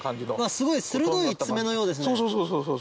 すごい鋭い爪のようですね。